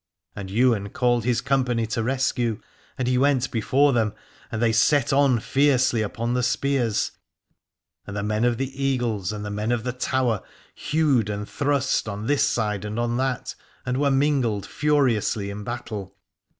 And Ywain called his company to rescue, and he went before them and they set on fiercely upon the spears, and the men of the Eagles and the men of the Tower hewed and thrust on this side and on that and were mingled furiously in battle.